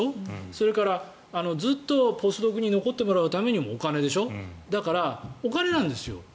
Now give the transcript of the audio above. それからずっとポスドクに残ってもらうためにもお金でしょだから、お金なんですよ。